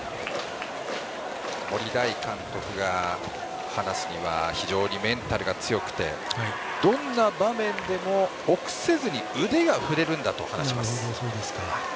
森大監督が話すには非常にメンタルが強くてどんな場面でも臆せずに腕が振れるんだと話します。